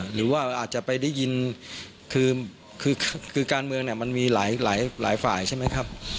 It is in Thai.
หรือว่าอาจจะไปได้ยินคือการเมืองเนี่ยมันมีหลายฝ่ายใช่ไหมครับ